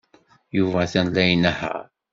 Yuba atan la inehheṛ.